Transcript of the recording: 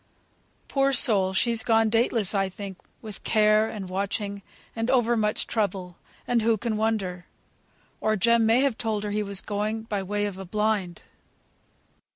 Poor soul, she's gone dateless, I think, with care, and watching, and over much trouble; and who can wonder? Or Jem may have told her he was going, by way of a blind."